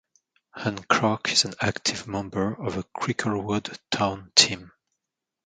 Anne Clarke is an active member of the Cricklewood Town team.